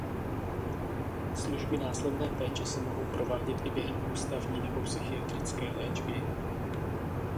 Služby následné péče se mohou provádět i během ústavní nebo psychiatrické léčby.